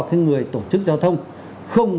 cái người tổ chức giao thông không